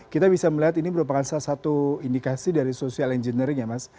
kita bisa melihat ini merupakan salah satu indikasi dari social engineering ya mas